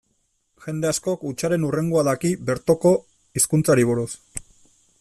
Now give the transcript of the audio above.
Jende askok hutsaren hurrengoa daki bertoko hizkuntzari buruz.